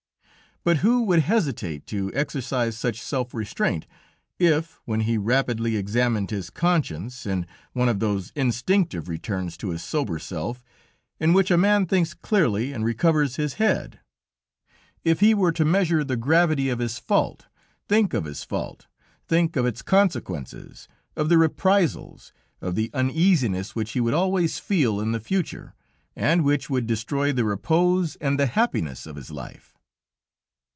But who would hesitate to exercise such self restraint if, when he rapidly examined his conscience, in one of those instinctive returns to his sober self, in which a man thinks clearly and recovers his head; if he were to measure the gravity of his fault, think of his fault, think of its consequences, of the reprisals, of the uneasiness which he would always feel in the future, and which would destroy the repose and the happiness of his life?